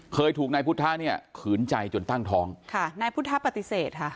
เคยถูกนายพุทธะเนี่ยขืนใจจนตั้งท้องค่ะนายพุทธปฏิเสธค่ะ